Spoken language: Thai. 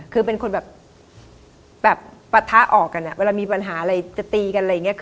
คือเป็นคนแบบปะทะออกกันเวลามีปัญหาอะไรจะตีกัน